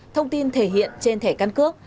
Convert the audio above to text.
thông tin thể hiện trên thẻ căn cước